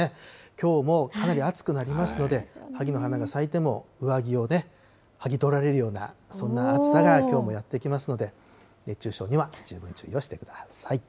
きょうもかなり暑くなりますので、ハギの花が咲いても上着をね、はぎとられるような、そんな暑さがきょうもやって来ますので、熱中症には十分注意をしてください。